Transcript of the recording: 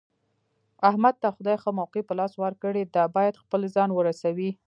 احمد ته خدای ښه موقع په لاس ورکړې ده، باید خپل ځان ورسوي.